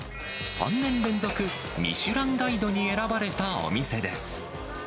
３年連続ミシュランガイドに選ばれたお店です。